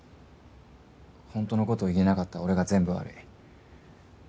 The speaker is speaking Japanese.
本当のこと言えなかった俺が全部悪い。